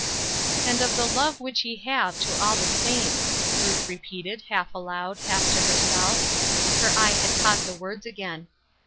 ^" And of the love which ye have to all the saints," Ruth repeated, half aloud, half to her self; her QjQ had caught the words again.